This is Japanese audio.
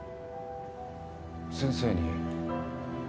先生に？